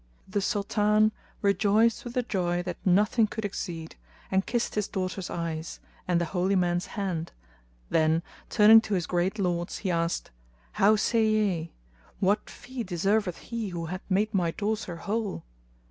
The Sultan rejoiced with a joy that nothing could exceed, and kissed his daughter's eyes,[FN#222] and the holy man's hand; then, turning to his great lords, he asked, "How say ye! What fee deserveth he who hath made my daughter whole?"